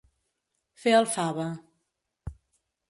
Fer el fava.